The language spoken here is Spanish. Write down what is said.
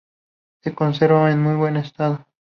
Se conserva en muy buen estado.